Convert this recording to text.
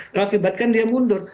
mengakibatkan dia mundur